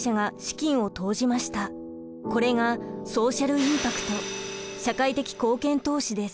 これがソーシャル・インパクト社会的貢献投資です。